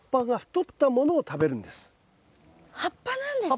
葉っぱなんですか？